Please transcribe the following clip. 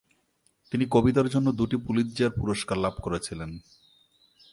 তিনি কবিতার জন্য দুটি পুলিৎজার পুরস্কার লাভ করেছিলেন।